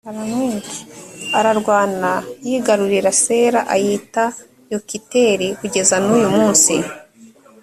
ararwana yigarurira sela ayita yokiteli kugeza n uyu munsi